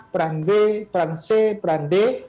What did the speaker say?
perang b peran c peran d